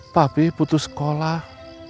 papi putus sekolah